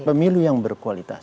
pemilu yang berkualitas